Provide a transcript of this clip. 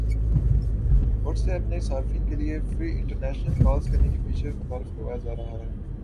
what's app نے صارفین کی لیے فری انٹرنیشنل کالز کرنے کا فیچر متعارف کروایا جا رہا ہے